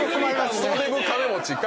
クソデブ金持ちか。